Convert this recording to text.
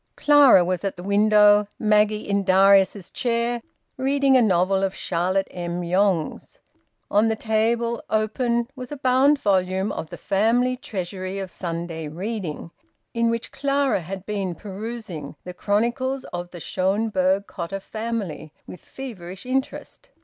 Clara was at the window, Maggie in Darius's chair reading a novel of Charlotte M. Yonge's. On the table, open, was a bound volume of "The Family Treasury of Sunday Reading," in which Clara had been perusing "The Chronicles of the Schonberg Cotta Family" with feverish interest.